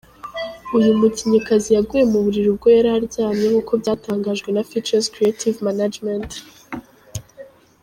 Uyu mukinnyikazi yaguye mu buriri ubwo yari aryamye nkuko byatangajwe na Features Creative Management.